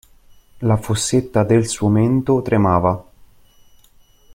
La fossetta del suo mento tremava.